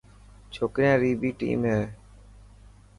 ڇوڪريان ري بي ٽيم هي.